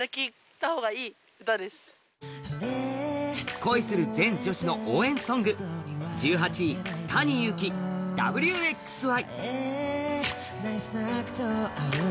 恋する全女子の応援ソング、１８位、ＴａｎｉＹｕｕｋｉ、「Ｗ／Ｘ／Ｙ」。